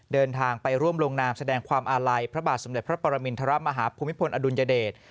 เดินทางไปร่วมลงนามแสดงความอาลัยพระบาทสมเด็จพระปรมินทรมาฮภูมิพลอดุลยเดช